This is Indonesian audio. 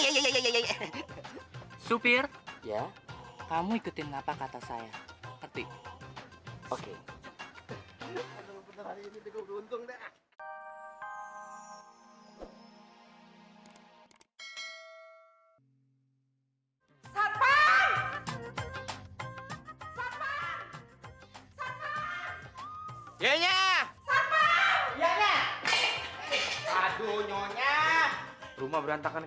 iya iya iya iya supir ya kamu ikutin apa kata saya ketik oke ini juga beruntung dah